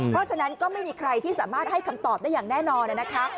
เพราะฉะนั้นก็ไม่มีใครที่สามารถให้คำตอบได้อย่างแน่นอนนะคะ